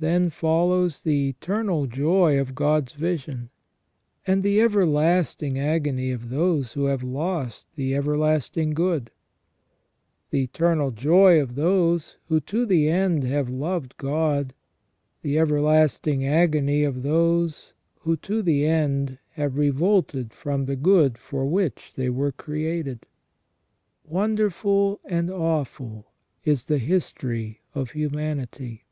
Then follows the eternal joy of God's vision, and the everlasting agony of those who have lost the everlasting good ; the eternal joy of those who to the end have loved God, the everlasting agony of those who to the end have revolted from the good for which they were created. Wonderful and awful is the history of humanity